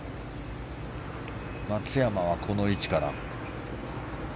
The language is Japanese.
松山は、この位置から。